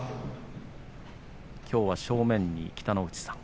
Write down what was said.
きょうは正面、北の富士さん